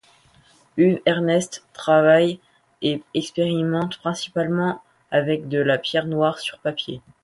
Uwe Ernst travaille et expérimente principalement avec de la pierre noire sur papier.